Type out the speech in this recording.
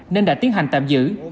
nên đã tiến hành tạm giữ